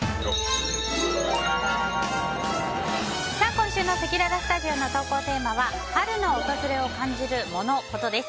今週のせきららスタジオの投稿テーマは春の訪れを感じるモノ・コトです。